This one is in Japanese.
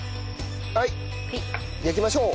はい焼きましょう。